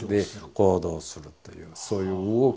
行動するというそういう動きですね。